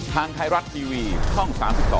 ทางไทยรัฐทีวีช่อง๓๒